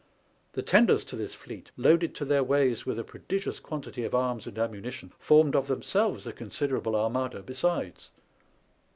The tenders to this fleet, loaded to their ways with a prodigious quantity of arms and ammunition, formed of themselves a consider able armada besides.